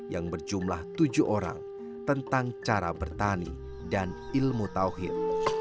yang berjumlah tujuh orang tentang cara bertani dan ilmu tawhid